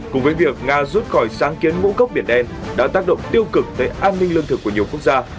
cùng với việc nga rút khỏi sáng kiến ngũ cốc biển đen đã tác động tiêu cực tới an ninh lương thực của nhiều quốc gia